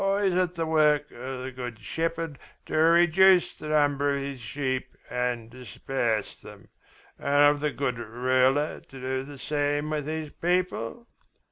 Or is it the work of the good shepherd to reduce the number of his sheep and disperse them, and of the good ruler to do the same with his people?